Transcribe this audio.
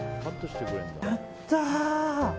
やったー！